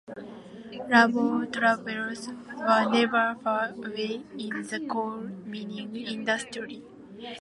Labour troubles were never far away in the coal mining industry.